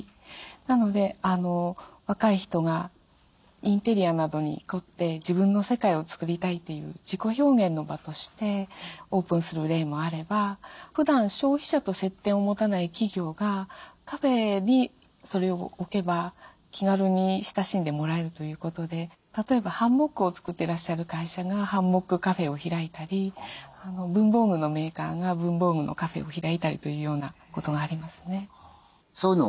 なので若い人がインテリアなどに凝って自分の世界を作りたいという自己表現の場としてオープンする例もあればふだん消費者と接点を持たない企業がカフェにそれを置けば気軽に親しんでもらえるということで例えばハンモックを作っていらっしゃる会社がハンモックカフェを開いたり文房具のメーカーが文房具のカフェを開いたりというようなことがありますね。